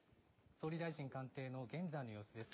総理大臣官邸、現在の様子です。